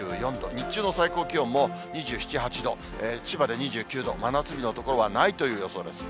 日中の最高気温も２７、８度、千葉で２９度、真夏日の所はないという予想です。